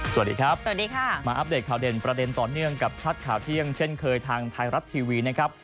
สวัสดีครับสวัสดีค่ะมาอัปเดตข่าวเด่นประเด็นต่อเนื่องกับชัดข่าวเที่ยงเช่นเคยทางไทยรัฐทีวีนะครับ